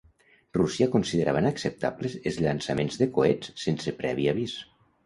Rússia considerava inacceptables els llançaments de coets sense previ avís.